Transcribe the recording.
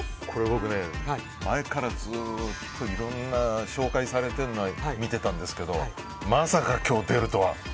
僕、前からずっといろんな紹介されてるのを見てたんですけどまさか今日出るとは。